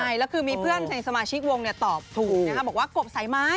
ใช่แล้วคือมีเพื่อนในสมาชิกวงตอบถูกนะคะบอกว่ากบสายไม้